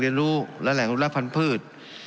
เล่นในการรับรับชื่น